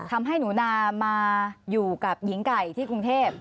ทำให้หนูนามาอยู่กับหญิงไก่ที่กรุงเทพ